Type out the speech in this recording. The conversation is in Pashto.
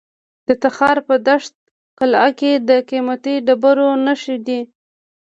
د تخار په دشت قلعه کې د قیمتي ډبرو نښې دي.